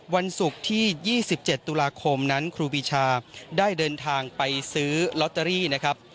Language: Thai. วันศุกร์ที่๒๗ตุลาคมครูปิชาได้เดินทางไปซื้อล็อตเตอรี่